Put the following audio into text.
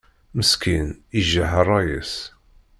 Meskin, ijaḥ ṛṛay-is.